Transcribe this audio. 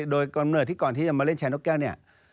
โดยกำเนิดที่ก่อนที่จะมาเล่นแชร์นกแก้วเนี่ย